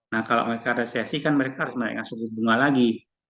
nah kalau mereka resesi kan mereka harus menaikkan suku bunga lagi